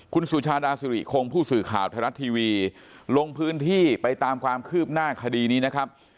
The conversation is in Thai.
คุณสุชาดาสิริคงผู้สื่อข่าวไทยรัฐทีวีลงพื้นที่ไปตามความคืบหน้าคดีนี้นะครับ